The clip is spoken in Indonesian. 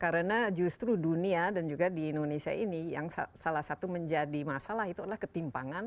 karena justru dunia dan juga di indonesia ini yang salah satu menjadi masalah itu adalah ketimpangan